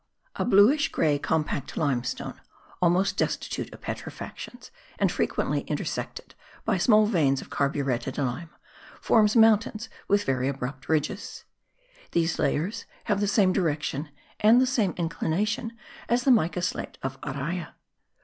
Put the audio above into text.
A bluish grey compact limestone, almost destitute of petrifactions, and frequently intersected by small veins of carburetted lime, forms mountains with very abrupt ridges. These layers have the same direction and the same inclination as the mica slate of Araya.